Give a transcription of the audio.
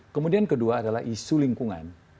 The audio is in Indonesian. kemudian kedua adalah isu lingkungan